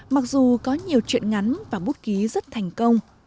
mặc dù có nhiều chuyện ngắn và bút ký rất thành công